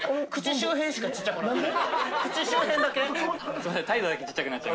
すいませんあっ